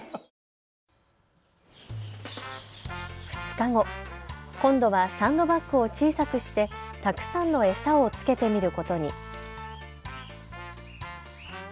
２日後、今度はサンドバッグを小さくして、たくさんの餌を付けてみることに。